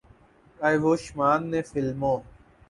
آیوشمان نے فلموں